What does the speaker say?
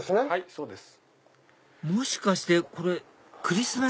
そうです。